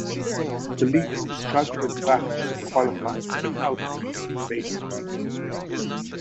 Philippe struggled in practice and qualifying but ultimately made the field.